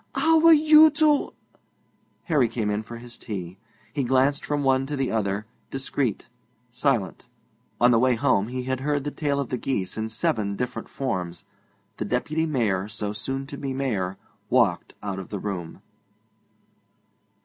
'How were you to ?' Harry came in for his tea. He glanced from one to the other, discreet, silent. On the way home he had heard the tale of the geese in seven different forms. The Deputy Mayor, so soon to be Mayor, walked out of the room.